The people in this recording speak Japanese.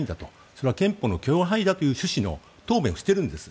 それは憲法の許容範囲だという趣旨の答弁をしているんです。